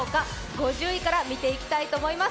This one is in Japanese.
５０位から見ていきたいと思います。